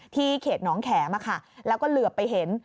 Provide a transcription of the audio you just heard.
ที่เขตหนองแขมอะค่ะแล้วก็เหลือไปเห็น